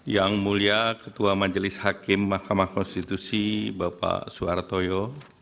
yang mulia ketua majelis hakim mahkamah konstitusi bapak suhartoyo